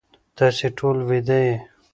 تاسی ټول ویده یی